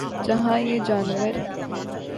جہاں یہ جانور